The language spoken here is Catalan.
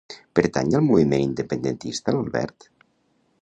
Pertany al moviment independentista l'Albert?